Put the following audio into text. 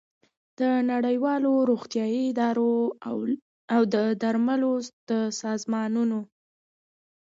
د نړیوالو روغتیايي ادارو او د درملو د سازمانونو